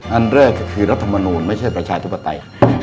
อันเลิกคือรัฐมนูนไม่ใช่ชายทุบตัย